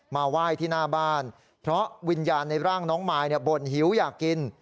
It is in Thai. มาไหว้ที่หน้าบ้านเพราะวิญญาณในร่างน้องมายบ่นหิวอยากกิน